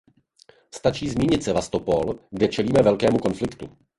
Stačí zmínit Sevastopol, kde čelíme velkému konfliktu.